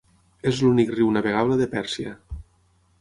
És l’únic riu navegable de Pèrsia.